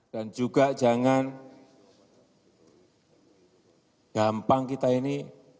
dan juga jangan gampang kita ini